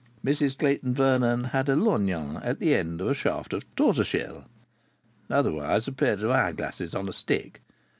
Mrs Clayton Vernon had a lorgnon at the end of a shaft of tortoise shell; otherwise, a pair of eye glasses on a stick.